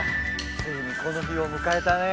ついにこの日を迎えたね。